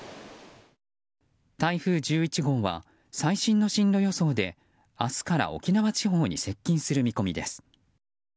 台風１１号は最新の進路予想で明日から沖縄地方に接近する見込みです。